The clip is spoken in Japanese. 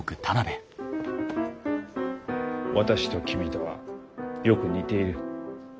私と君とはよく似ている。